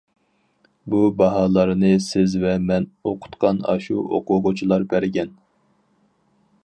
بۇ باھالارنى سىز ۋە مەن ئوقۇتقان ئاشۇ ئوقۇغۇچىلار بەرگەن.